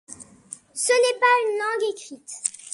Ce n'est pas une langue écrite.